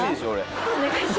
お願いします。